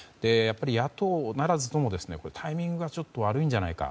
野党ならずともタイミングがちょっと悪いんじゃないか。